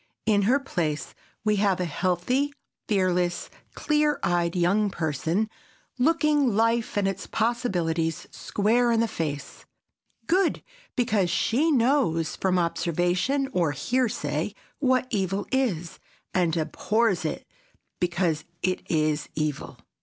In her place we have a healthy, fearless, clear eyed young person, looking life and its possibilities square in the face, good because she knows from observation or hearsay what evil is, and abhors it because it is evil.